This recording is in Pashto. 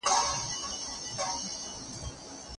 زه له فطرته عاشقي کومه ښه کومه